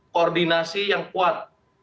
koordinasi yang kuat